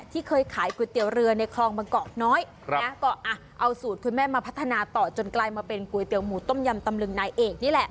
เคยขายก๋วยเตี๋ยวเรือในคลองบางกอกน้อยนะก็เอาสูตรคุณแม่มาพัฒนาต่อจนกลายมาเป็นก๋วยเตี๋ยหมูต้มยำตำลึงนายเอกนี่แหละ